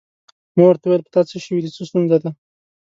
ما ورته وویل: په تا څه شوي دي؟ څه ستونزه ده؟